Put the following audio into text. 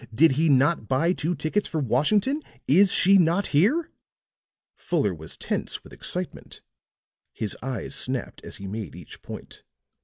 Did he not buy two tickets for Washington? Is she not here?" Fuller was tense with excitement; his eyes snapped as he made each point.